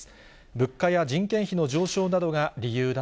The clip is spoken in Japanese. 物価や人件費の上昇などが理由だ